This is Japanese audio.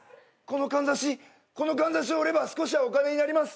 このかんざしを売れば少しはお金になります。